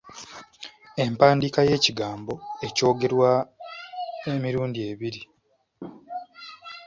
Empandiika y’ekigambo ekyogerwa emirundi ebiri.